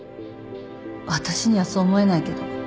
私にはそう思えないけど。